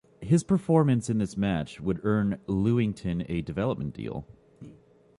His performance in this match would earn Lewington a developmental deal.